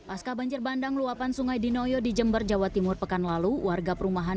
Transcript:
pasca banjir bandang luapan sungai di noyo di jember jawa timur pekan lalu warga perumahan